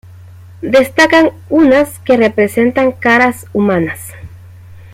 Destacan unas que representan caras humanas.